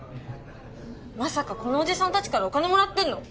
まさかこのおじさん達からお金もらってんの？